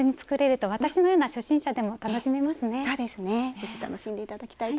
是非楽しんで頂きたいと思います。